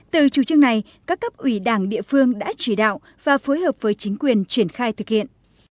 từ chủ trương này các cấp ủy đảng địa phương đã chỉ đạo và phối hợp với chính quyền triển khai thực hiện